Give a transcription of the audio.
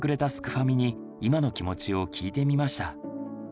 ファミに今の気持ちを聞いてみました。